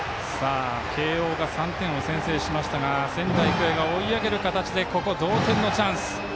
慶応が３点を先制しましたが仙台育英が追い上げる形で同点のチャンス。